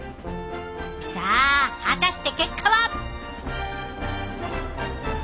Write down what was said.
さあ果たして結果は？